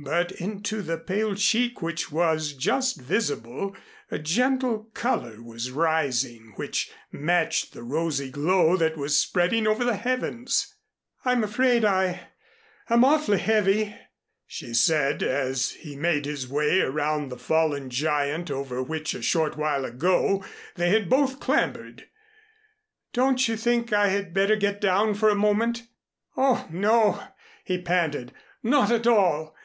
But into the pale cheek which was just visible, a gentle color was rising which matched the rosy glow that was spreading over the heavens. "I'm afraid I I'm awfully heavy," she said, as he made his way around the fallen giant over which a short while ago they had both clambered. "Don't you think I had better get down for a moment?" "Oh, no," he panted. "Not at all.